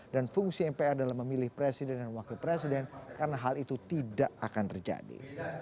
dan fungsi mpr dalam memilih presiden dan wakil presiden karena hal itu tidak akan terjadi